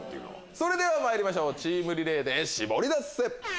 それではまいりましょうチームリレーでシボリダセ！